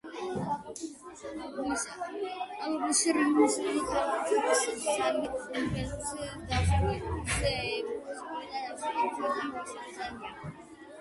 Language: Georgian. ალუბლის რინქიტი გავრცელებულია დასავლეთ ევროპაში, სამხრეთ-დასავლეთ ციმბირში, კავკასიაში, შუა აზიასა და სხვა.